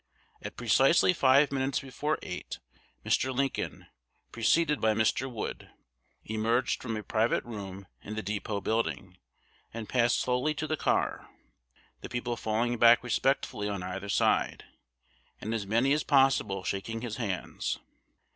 At precisely five minutes before eight, Mr. Lincoln, preceded by Mr. Wood, emerged from a private room in the dépôt building, and passed slowly to the car, the people falling back respectfully on either side, and as many as possible shaking his hands.